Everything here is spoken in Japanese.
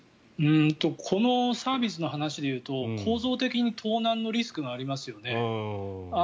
このサービスの話で言うと構造的に盗難のリスクがありますよね。